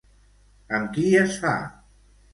Amb qui es fa?